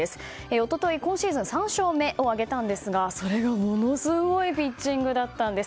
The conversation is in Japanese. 一昨日、今シーズン３勝目を挙げたんですがものすごいピッチングだったんです。